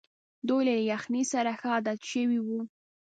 دوی له یخنۍ سره ښه عادت شوي وو.